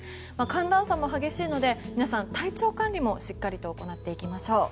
寒暖差も激しいので皆さん、体調管理もしっかりと行っていきましょう。